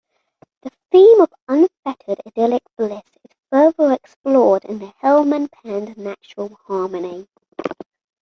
The theme of unfettered idyllic bliss is further explored in the Hillman-penned "Natural Harmony".